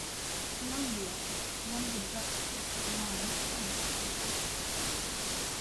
"Hollandia", one of the Dutch ships-of-the-line, sank after the battle.